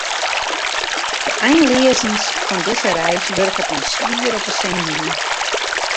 De einleazens fan dizze reis wurket my swier op 'e senuwen.